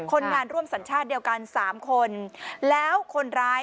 คนงานร่วมสัญชาติเดียวกันสามคนแล้วคนร้าย